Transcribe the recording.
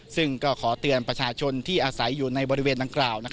ซึ่งก็ขอเตือนประชาชนที่อาศัยอยู่ในบริเวณดังกล่าว